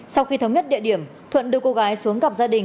sau khi thống nhất địa điểm thuận đưa cô gái xuống gặp gia đình